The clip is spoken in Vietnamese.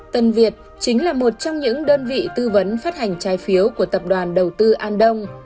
tân việt chính là một trong những đơn vị tư vấn phát hành trái phiếu của tập đoàn đầu tư an đông